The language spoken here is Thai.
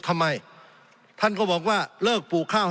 สงบจนจะตายหมดแล้วครับ